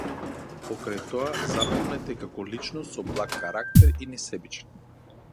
Покрај тоа, запомнет е како личност со благ карактер и несебичен.